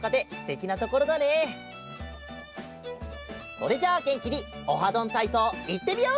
それじゃあげんきに「オハどんたいそう」いってみよう！